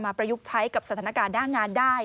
ประยุกต์ใช้กับสถานการณ์ด้านงานได้